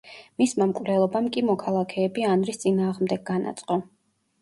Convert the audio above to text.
მისმა მკვლელობამ კი მოქალაქეები ანრის წინააღმდეგ განაწყო.